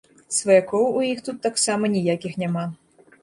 Сваякоў у іх тут таксама ніякіх няма.